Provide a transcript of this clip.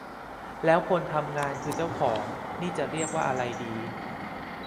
แล้วคนทำงานคือเจ้าของ นี่จะเรียกว่าอะไรดี